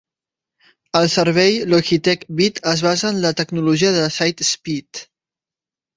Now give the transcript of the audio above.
El servei Logitech Vid es basa en la tecnologia de SightSpeed.